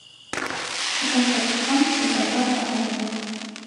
Зэшыпхъухэм пшысэхэр къаӏуатэх.